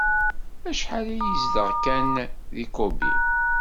Acḥal ay yezdeɣ Ken deg Kobe?